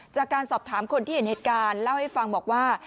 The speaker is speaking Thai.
จากการสอบถามคนที่เห็นเหตุการณ์เล่าให้ฟังบอกว่า